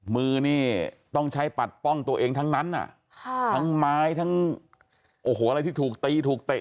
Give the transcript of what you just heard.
มือนี่ต้องใช้ปัดป้องตัวเองทั้งนั้นทั้งไม้ทั้งโอ้โหอะไรที่ถูกตีถูกเตะ